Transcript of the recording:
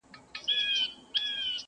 چي بیا تښتي له کابله زخمي زړونه مات سرونه،